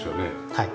はい。